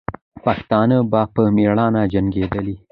پښتانه به په میړانه جنګېدلې.